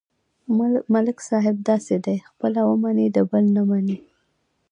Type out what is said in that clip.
ملک صاحب داسې دی: خپله ومني، د بل نه مني.